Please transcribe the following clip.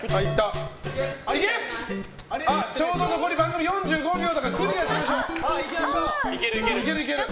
ちょうど残り番組４５秒だからクリアしましょう。